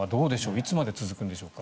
いつまで続くんでしょうか。